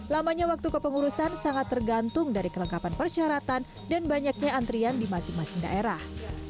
lamanya waktu kepengurusan sangat tergantung dari kelengkapan persyaratan dan banyaknya antrian di masing masing daerah